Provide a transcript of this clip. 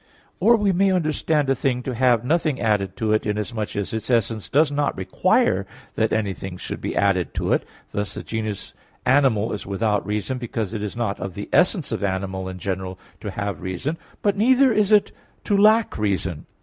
Or we may understand a thing to have nothing added to it, inasmuch as its essence does not require that anything should be added to it; thus the genus animal is without reason, because it is not of the essence of animal in general to have reason; but neither is it to lack reason.